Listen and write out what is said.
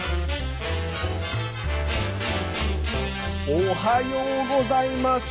おはようございます。